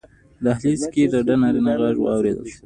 په دهلېز کې ډډ نارينه غږ واورېدل شو: